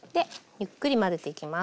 ゆっくり混ぜていきます。